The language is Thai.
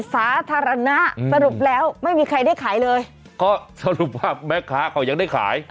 สาธารณะสรุปแล้วไม่มีใครได้ขายเลยก็สรุปว่าแม่ค้าเขายังได้ขาย